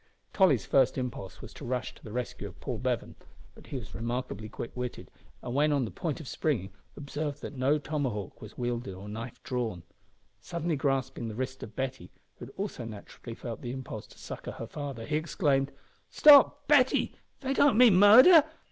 Tolly's first impulse was to rush to the rescue of Paul Bevan; but he was remarkably quick witted, and, when on the point of springing, observed that no tomahawk was wielded or knife drawn. Suddenly grasping the wrist of Betty, who had also naturally felt the impulse to succour her father, he exclaimed "Stop! Betty. They don't mean murder.